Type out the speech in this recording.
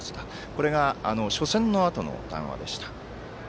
これが、初戦のあとの談話でした。